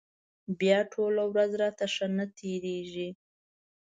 بیا ټوله ورځ راته ښه نه تېرېږي.